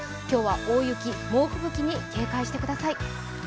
今日は大雪、猛吹雪に警戒してください。